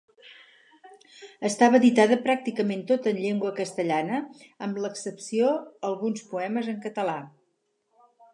Estava editada pràcticament tota en llengua castellana, amb l'excepció alguns poemes en català.